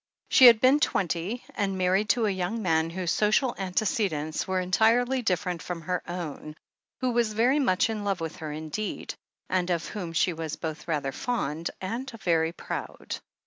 She had been twenty — ^and married to a young man whose social antecedents were entirely different from her own, who was very much in love with her indeed, and of whom she was both rather fond and very proud.